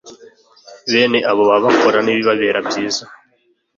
bene abo baba bakora ibinyuranye n'ibibabera byiza